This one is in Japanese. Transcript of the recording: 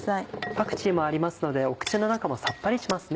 パクチーもありますので口の中もさっぱりしますね。